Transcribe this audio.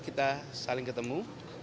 kita saling ketemu